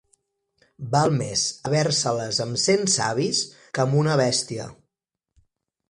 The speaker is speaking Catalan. Val més haver-se-les amb cent savis que amb una bèstia.